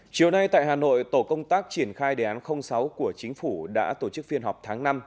chiều nay tại hà nội tổ công tác triển khai đề án sáu của chính phủ đã tổ chức phiên họp tháng năm